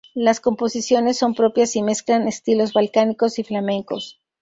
Las composiciones son propias y mezclan estilos balcánicos y flamencos.